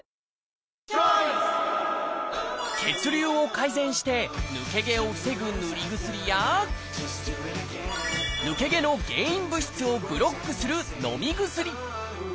血流を改善して抜け毛を防ぐ塗り薬や抜け毛の原因物質をブロックするのみ薬。